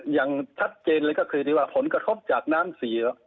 อย่างชัดเจนเลยก็คือที่ว่าผลกระทบจากน้ำเสีย